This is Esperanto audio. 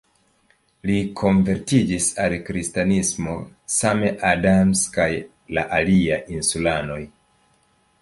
Li konvertiĝis al kristanismo, same Adams kaj la aliaj insulanoj.